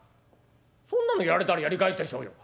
「そんなのやられたらやり返すでしょうよ」。